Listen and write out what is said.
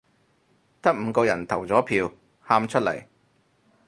得五個人投咗票，喊出嚟